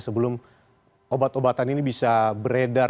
sebelum obat obatan ini bisa beredar